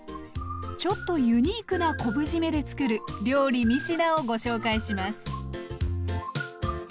ちょっとユニークな昆布じめでつくる料理三品をご紹介します。